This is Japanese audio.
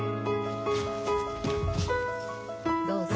どうぞ。